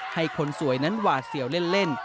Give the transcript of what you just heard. ให้คนสวยนั้นหวาดเสียวเล่น